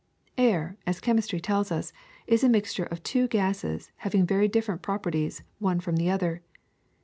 ^^Air, as chemistry tells us, is a mixture of two gases having very different properties the one from the other.